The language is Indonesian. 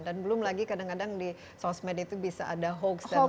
dan belum lagi kadang kadang di sosial media itu bisa ada hoax dan lain sebagainya